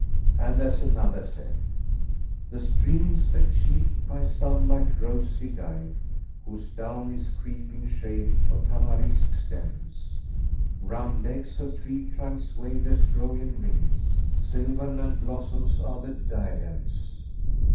And as another saith, "The stream's a cheek by sunlight rosy dyed, * Whose down[FN#418] is creeping shade of tamarisk stems Round legs of tree trunks waveless roll in rings * Silvern, and blossoms are the diadems."